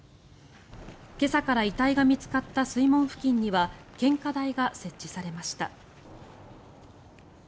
今朝から遺体が見つかった水門付近には献花台が設置されました。